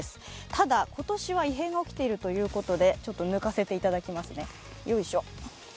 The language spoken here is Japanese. ただ、今年は異変が起きているということでちょっと抜かせていただきますね。